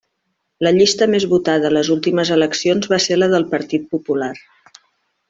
La llista més votada a les últimes eleccions va ser la del Partit Popular.